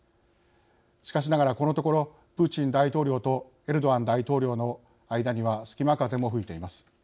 しかしながらこのところプーチン大統領とエルドアン大統領の間には隙間風も吹いています。